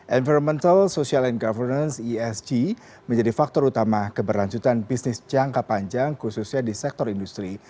environmental social and governance esg menjadi faktor utama keberlanjutan bisnis jangka panjang khususnya di sektor industri